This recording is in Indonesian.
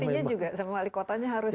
bupatinya juga sama wali kotanya harus patuh